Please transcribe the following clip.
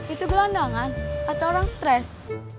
itu gelandangan atau orang stres